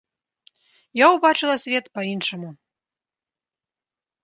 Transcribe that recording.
Я ўбачыла свет па-іншаму.